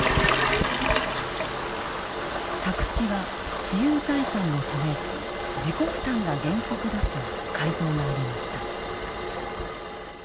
宅地は「私有財産」のため自己負担が原則だと回答がありました。